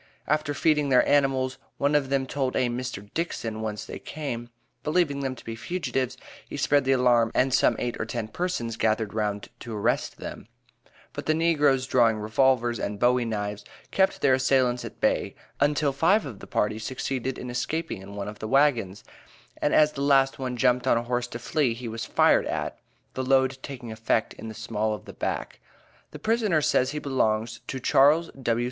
After feeding their animals, one of them told a Mr. Dixon whence they came; believing them to be fugitives, he spread the alarm, and some eight or ten persons gathered round to arrest them; but the negroes drawing revolvers and bowie knives, kept their assailants at bay, until five of the party succeeded in escaping in one of the wagons, and as the last one jumped on a horse to flee, he was fired at, the load taking effect in the small of the back. The prisoner says he belongs to Charles W.